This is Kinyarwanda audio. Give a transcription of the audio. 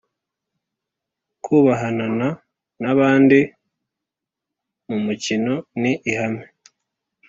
kubahanana n’ abandi mu mukino ni ihame